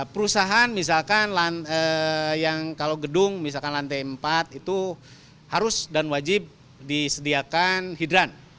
perusahaan misalkan yang kalau gedung misalkan lantai empat itu harus dan wajib disediakan hidran